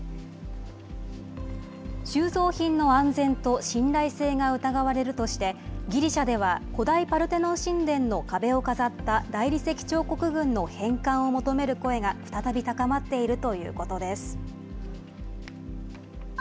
収蔵品の安全と信頼性が疑われるとして、ギリシャでは古代パルテノン神殿の壁を飾った大理石彫刻群の返還を求める声が再び高まっているということです。